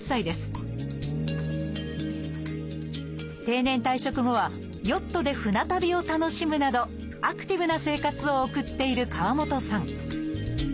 定年退職後はヨットで船旅を楽しむなどアクティブな生活を送っている河本さん。